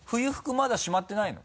まだしまってないの？